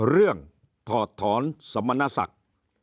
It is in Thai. เรื่องถอดถอนสมณศักดิ์